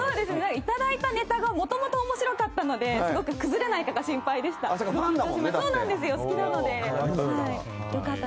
いただいたネタがもともと面白かったのですごく崩れないかが心配でした。